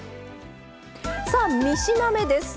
さあ３品目です。